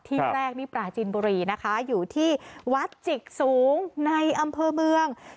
ที่แรกนี่ปราจินบุรีนะคะอยู่ที่วัดจิกสูงในอำเภอเมือง